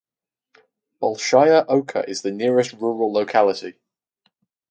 Bolshaya Oka is the nearest rural locality.